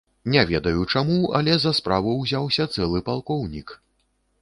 Не ведаю, чаму, але за справу ўзяўся цэлы палкоўнік!